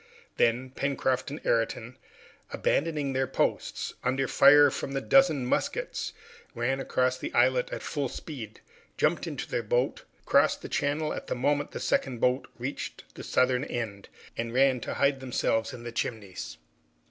Then, Pencroft and Ayrton, abandoning their posts, under fire from the dozen muskets, ran across the islet at full speed, jumped into their boat, crossed the channel at the moment the second boat reached the southern end, and ran to hide themselves in the Chimneys.